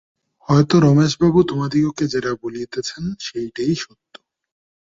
হয়তো রমেশবাবু তোমাদিগকে যেটা বলিতেছেন সেইটেই সত্য।